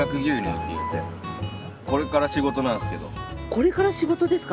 これから仕事ですか？